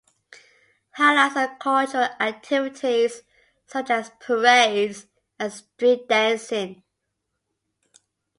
Highlights are cultural activities such as parades and street dancing.